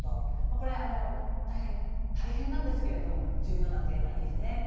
これは大変なんですけれども重要な点ですね。